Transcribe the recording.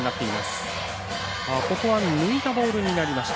ここは抜いたボールになりました。